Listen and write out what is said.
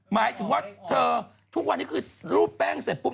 หมายถึงว่าเธอทุกวันนี้คือรูปแป้งเสร็จปุ๊บ